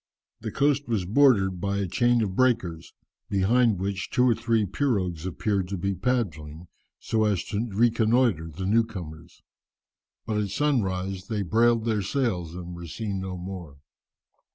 The coast was bordered by a chain of breakers, behind which two or three pirogues appeared to be paddling, so as to reconnoitre the new comers. But at sunrise they brailed their sails and were seen no more.